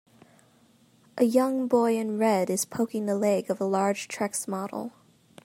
A young boy in red is poking the leg of a large trex model.